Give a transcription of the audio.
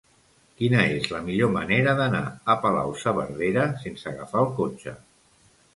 Quina és la millor manera d'anar a Palau-saverdera sense agafar el cotxe?